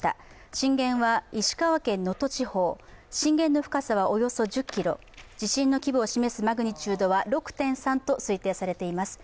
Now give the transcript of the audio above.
震源は石川県能登地方、震源の深さはおよそ１０ｋｍ地震の規模を示すマグニチュードは６．３と推定されています。